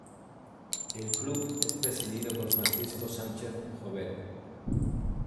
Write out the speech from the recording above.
El club es presidido por Francisco Sánchez Jover.